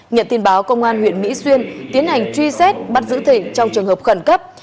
nhận tin báo công an huyện mỹ xuyên tiến hành truy xét bắt giữ thịnh trong trường hợp khẩn cấp